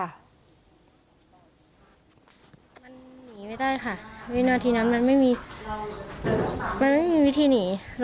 มันหนีไม่ได้ค่ะวินาทีนั้นมันไม่มีมันไม่มีวิธีหนี